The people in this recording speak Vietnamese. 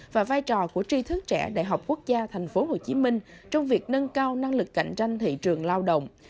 và vai trò của tri thức trẻ đại học quốc gia tp hcm trong việc nâng cao năng lực cạnh tranh thị trường lao động